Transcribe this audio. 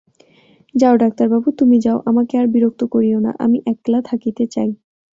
যাও ডাক্তারবাবু, তুমি যাও–আমাকে আর বিরক্ত করিয়ো না, আমি একলা থাকিতে চাই।